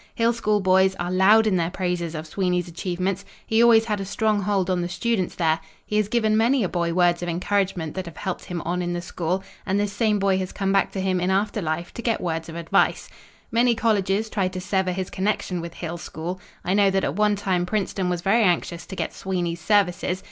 Hill School boys are loud in their praises of Sweeney's achievements. He always had a strong hold on the students there. He has given many a boy words of encouragement that have helped him on in the school, and this same boy has come back to him in after life to get words of advice. Many colleges tried to sever his connection with Hill School. I know that at one time Princeton was very anxious to get Sweeney's services.